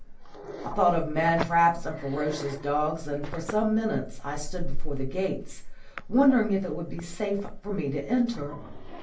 I thought of mantraps and ferocious dogs, and for some minutes I stood before the gates, wondering if it would be safe for me to enter.